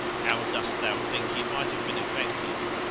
How dost thou think he might have been affected?